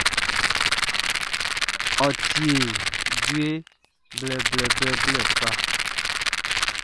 Ɔ tie djue blɛblɛblɛ kpa.